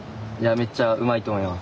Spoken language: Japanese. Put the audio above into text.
めっちゃうまいと思います。